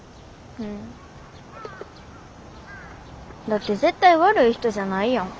だって絶対悪い人じゃないやん。